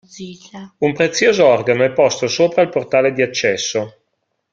Un prezioso organo è posto sopra il portale di accesso.